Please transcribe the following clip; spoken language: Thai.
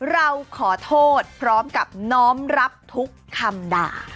เราขอโทษพร้อมกับน้อมรับทุกคำด่า